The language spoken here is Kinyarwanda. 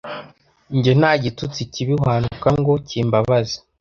njye nta gitutsi kibi wantuka ngo kimbabaze